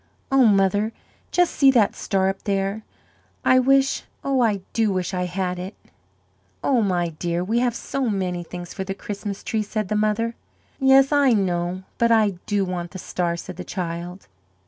"Oh, mother, just see that star up there! I wish oh, I do wish I had it." "Oh, my dear, we have so many things for the Christmas tree," said the mother. "Yes, I know, but I do want the star," said the child.